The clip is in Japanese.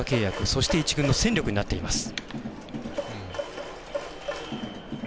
そして１軍の戦力になっています。